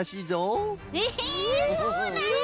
へえそうなんだ！